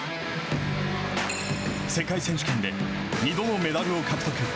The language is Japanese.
世界選手権で２度のメダルを獲得。